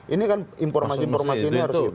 ini kan informasi informasi ini harus kita